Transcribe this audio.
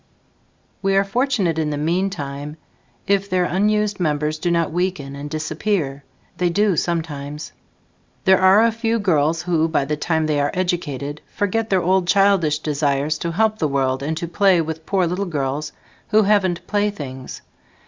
We are fortunate in the meantime if their unused members do not weaken and disappear. They do sometimes. There are a few girls who, by the time they are "educated", forget their old childish desires to help the world and to play with poor little girls "who haven't playthings".